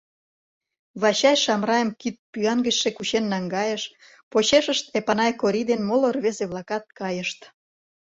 Вачай Шамрайым кидпӱан гычше кучен наҥгайыш, почешышт Эпанай Кори ден моло рвезе-влакат кайышт.